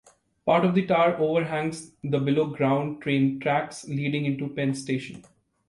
Part of the tower overhangs the below ground train tracks leading into Penn Station.